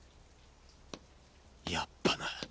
やっぱな。